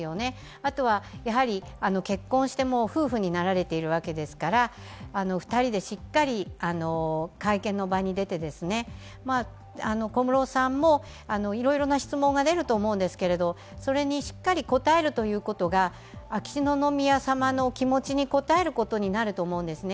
あとは、結婚して夫婦になられているわけですから２人でしっかり会見の場に出て、小室さんもいろいろな質問が出ると思うんですけれどそれにしっかり答えるということが秋篠宮さまの気持ちに応えることになると思うんですね。